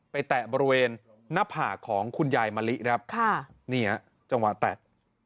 ไปแตะบริเวณหน้าผ่าของคุณยายมะลินะครับจังหวะแตะ